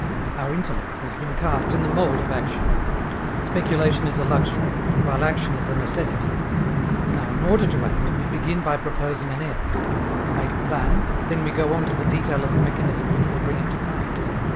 Our intellect has been cast in the mold of action. Speculation is a luxury, while action is a necessity. Now, in order to act, we begin by proposing an end; we make a plan, then we go on to the detail of the mechanism which will bring it to pass.